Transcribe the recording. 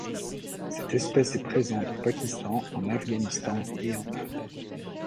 Cette espèce est présente au Pakistan, en Afghanistan et en Inde.